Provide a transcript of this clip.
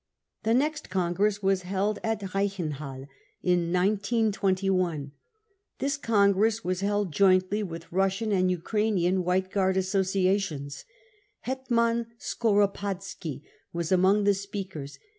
The next congress was held at Reichenhall in 1921. This congress 'was held jointly with Russian and Ukrainian White Guard associations . Hetman Skoropadski was among the speakers.